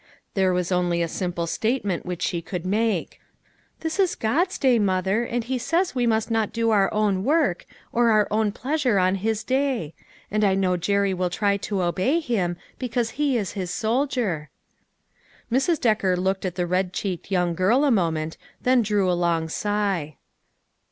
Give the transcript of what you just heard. There was only a simple statement which she could make. " This is God's day, mother, and he says we must not do our own A SABBATH TO REMEMBER. 161 work, or our own pleasure on his day ; and I know Jerry will try to obey him, because he is his soldier." Mrs. Decker looked at the red cheeked young girl a moment, then drew a long sigh.